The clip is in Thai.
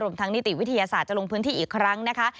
ทางนิติวิทยาศาสตร์จะลงพื้นที่อีกครั้งนะคะ